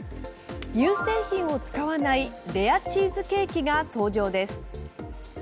乳製品を使わないレアチーズケーキが登場です。